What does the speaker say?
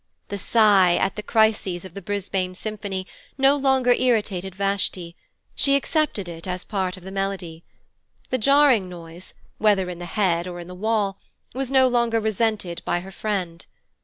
The sigh at the crises of the Brisbane symphony no longer irritated Vashti; she accepted it as part of the melody. The jarring noise, whether in the head or in the wall, was no longer resented by her friend.